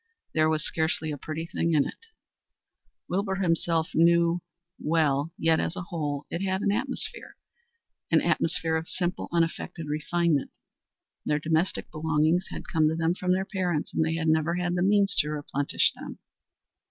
There was scarcely a pretty thing in it, as Wilbur himself well knew, yet, as a whole, it had an atmosphere an atmosphere of simple unaffected refinement. Their domestic belongings had come to them from their parents, and they had never had the means to replenish them.